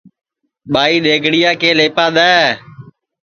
ٻائی دؔیگڑِیا کے لیپا دؔے